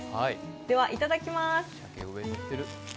では、いただきます。